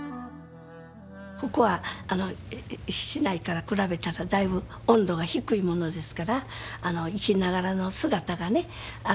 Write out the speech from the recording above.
ここは市内から比べたらだいぶ温度が低いものですから生きながらの姿がね